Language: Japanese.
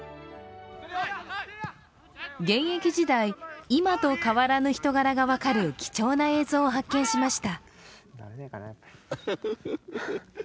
現役時代、今と変わらぬ人柄が分かる貴重な映像を発見しました。